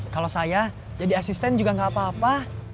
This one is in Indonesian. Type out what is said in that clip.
kalau saya jadi asisten juga gak apa apa